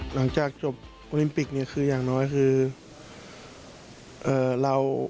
หลังจากจบโอลิมปิกอย่างน้อยคือ